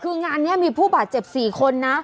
คืองานนี้มีผู้บาดเจ็บ๔คนนะ